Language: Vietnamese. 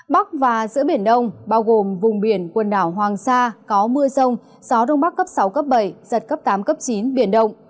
bắc và giữa biển đông bao gồm vùng biển quần đảo hoàng sa có mưa sông gió đông bắc cấp sáu bảy giật cấp tám chín biển đông